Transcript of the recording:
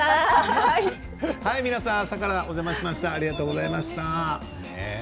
皆さん朝からお邪魔しました。